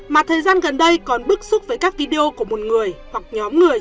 mà thời gian gần đây còn bức xúc với các video của một người hoặc nhóm người